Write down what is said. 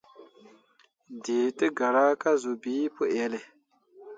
Dǝǝ tǝ gara ka zuu bii pǝ elle.